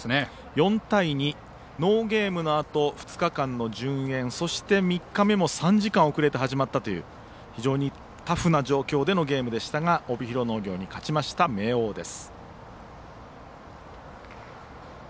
４対２、ノーゲームのあと２日間の順延そして、３日目も３時間遅れて始まったという非常にタフな状況でのゲームでしたが帯広農業に勝ちました明桜です。